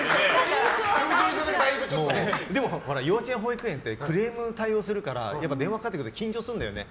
幼稚園、保育園ってクレームの対応するから電話かかってくると緊張するんだよね。